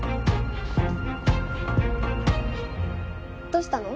どうしたの？